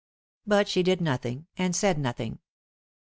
But she did nothing, and said nothing.